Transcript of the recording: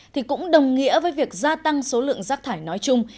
thì cũng đồng nghĩa với việc gia tăng số lượng rác thải nói chung